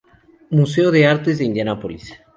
Museo de Artes de Indianápolis.